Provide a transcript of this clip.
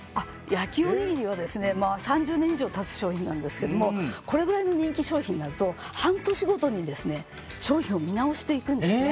焼きおにぎりは、３０年以上経つ商品なんですけどこれぐらいの人気商品になると半年ごとに商品を見直していくんですね。